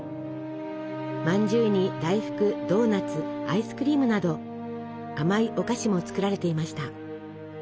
まんじゅうに大福ドーナツアイスクリームなど甘いお菓子も作られていました。